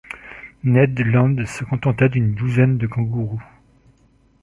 Ned Land se contenta d'une douzaine de kangaroos.